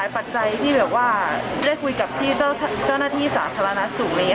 ปัจจัยที่แบบว่าได้คุยกับพี่เจ้าหน้าที่สาธารณสุข